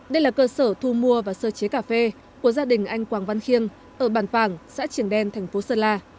đây là cơ sở thu mua và sơ chế cà phê của gia đình anh quảng văn khiêng ở bàn phàng xã triển đen thành phố sơn la